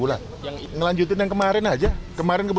iya keputusan pemerintahnya seperti itu